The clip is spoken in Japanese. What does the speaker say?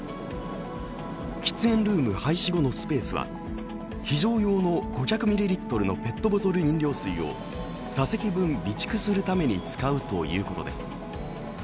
喫煙ルーム廃止後のスペースは非常用の５００ミリリットルのペットボトル飲料水を座席分、備蓄するために使うということです。